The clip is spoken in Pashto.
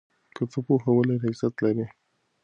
که ته پوهه ولرې عزت لرې.